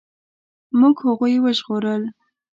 موږ هغوی وژغورل.